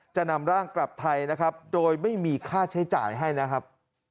จะนำร่างกลับไทยนะครับโดยไม่มีค่าใช้จ่ายให้นะครับ